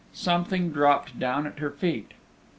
Something dropped down at her feet.